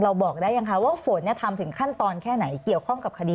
บอกได้ยังคะว่าฝนทำถึงขั้นตอนแค่ไหนเกี่ยวข้องกับคดี